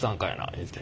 言うて。